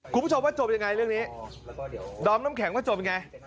คุณผู้ชมว่าจบยังไงเรื่องนี้ดอมน้ำแข็งว่าจบยังไง